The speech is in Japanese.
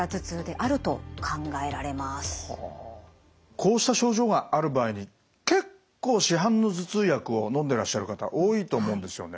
こうした症状がある場合に結構市販の頭痛薬をのんでらっしゃる方多いと思うんですよね。